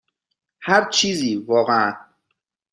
هر چیزی، واقعا.